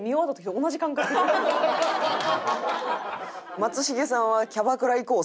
松重さんは「キャバクラ行こう。